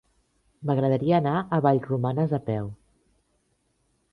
M'agradaria anar a Vallromanes a peu.